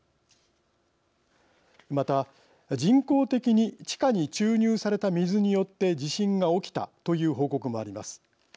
また人工的に地下に注入された水によって地震が起きたという報告もあります。